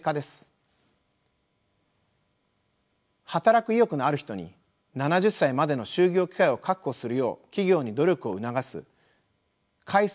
働く意欲のある人に７０歳までの就業機会を確保するよう企業に努力を促す改正